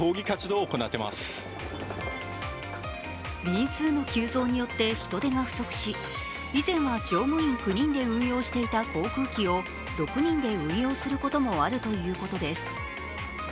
便数の急増によって人手が不足し、以前は乗務員９人で運用していた航空機を６人で運用することもあるということです。